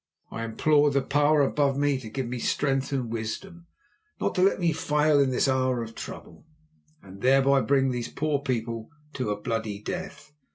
I implored the Power above me to give me strength and wisdom; not to let me fail in this hour of trouble, and thereby bring these poor people to a bloody death.